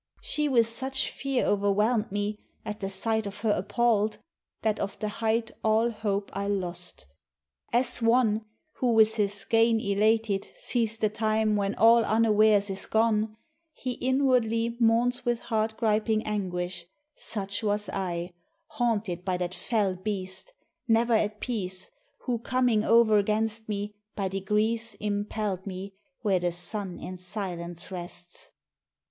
She with such fear O'erwhelmed me, at the sight of her appall'd, That of the height all hope I lost. As one, Who with his gain elated, sees the time When all unwares is gone, he inwardly Mourns with heart griping anguish; such was I, Haunted by that fell beast, never at peace, Who coming o'er against me, by degrees Impell'd me where the sun in silence rests.